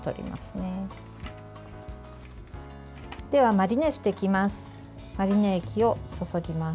マリネしていきます。